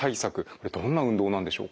これどんな運動なんでしょうか？